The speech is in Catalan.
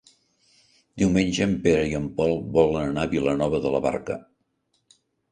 Diumenge en Pere i en Pol volen anar a Vilanova de la Barca.